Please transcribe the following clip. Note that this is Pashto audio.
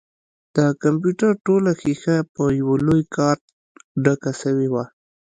د کمپيوټر ټوله ښيښه په يوه لوى کارت ډکه سوې وه.